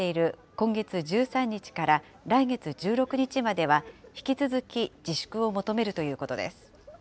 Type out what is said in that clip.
今月１３日から来月１６日までは、引き続き、自粛を求めるということです。